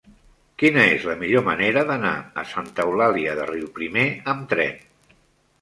Quina és la millor manera d'anar a Santa Eulàlia de Riuprimer amb tren?